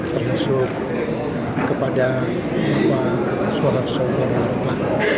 termasuk kepada suara so mono arfa